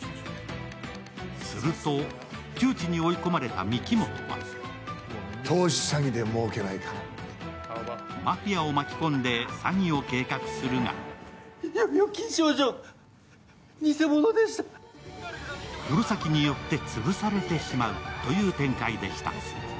すると、窮地に追い込まれた御木本はマフィアを巻き込んで詐欺を計画するが黒崎によって潰されてしまうという展開でした。